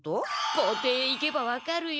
校庭へ行けば分かるよ。